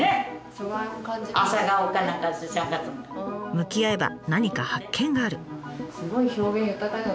向き合えば何か発見がある。